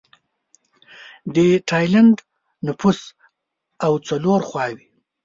د ټایلنډ نفوس او څلور خواووې